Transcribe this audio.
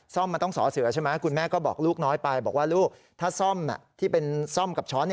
ซ่อมซ่อมที่แปลวะแก้ไขนะ